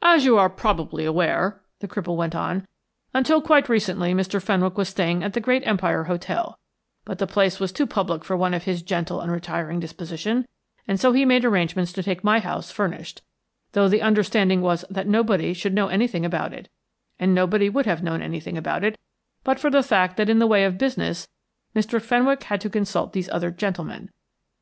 "As you are probably aware," the cripple went on, "until quite recently Mr. Fenwick was staying at the Great Empire Hotel, but the place was too public for one of his gentle and retiring disposition, and so he made arrangements to take my house furnished, though the understanding was that nobody should know anything about it, and nobody would have known anything about it but for the fact that in the way of business Mr. Fenwick had to consult these other gentlemen.